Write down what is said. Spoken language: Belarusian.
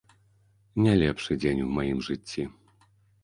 Не лепшы дзень у маім жыцці.